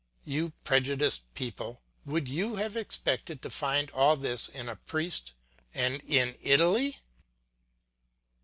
You prejudiced people, would you have expected to find all this in a priest and in Italy?